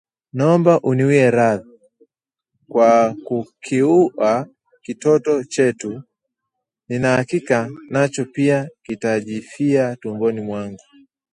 Naomba uniwie radhi kwa kukiua kitoto chetu, nina hakika nacho pia kitajifia tumboni mwangu